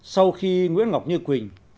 sau khi nguyễn ngọc như quỳnh